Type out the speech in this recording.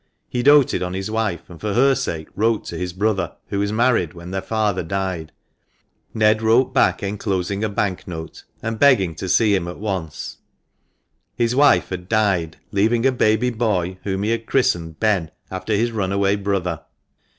He doted on his wife, and for her sake wrote to his brother, who was married when their father died. Ned wrote 416 THE MANCHESTER MAN, back enclosing a bank note, and begging to see him at once. His wife had died, leaving a baby boy, whom he had christened Ben, after his runaway brother.